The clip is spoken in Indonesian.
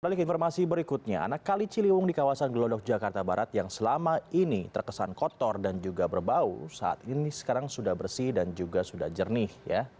balik informasi berikutnya anak kali ciliwung di kawasan gelodok jakarta barat yang selama ini terkesan kotor dan juga berbau saat ini sekarang sudah bersih dan juga sudah jernih